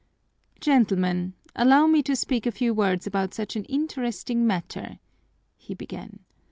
"Gentlemen, allow me to speak a few words about such an interesting matter," he began.